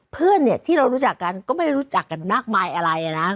เพื่อนเนี่ยที่เรารู้จักกันก็ไม่ได้รู้จักกันมากมายอะไรนะ